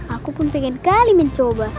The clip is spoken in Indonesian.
aku pun pengen kali min coba